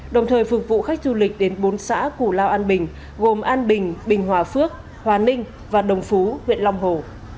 đồng thời phục vụ khách du lịch đến bốn xã củ lao an bình gồm an bình bình hòa phước hòa ninh và đồng phú huyện long hồ